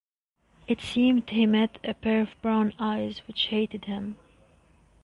It seemed he met a pair of brown eyes which hated him.